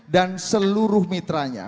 dan seluruh mitranya